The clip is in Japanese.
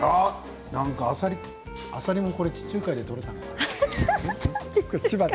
あさりもこれ地中海で取れたのかな。